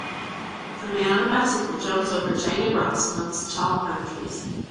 A man on a bicycle jumps over jagged rocks amongst tall pine trees.